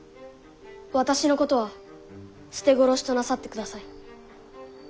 私のことは捨て殺しとなさってください。